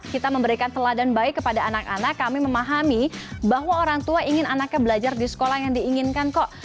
kita memberikan teladan baik kepada anak anak kami memahami bahwa orang tua ingin anaknya belajar di sekolah yang diinginkan kok